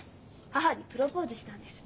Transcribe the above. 母にプロポーズしたんです。